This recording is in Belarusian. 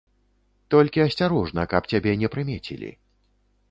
Толькі асцярожна, каб цябе не прымецілі.